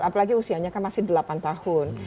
apalagi usianya kan masih delapan tahun